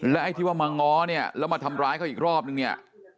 ไอ้ที่ว่ามาง้อเนี่ยแล้วมาทำร้ายเขาอีกรอบนึงเนี่ย